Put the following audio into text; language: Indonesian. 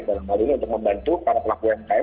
dalam hal ini untuk membantu para pelaku umkm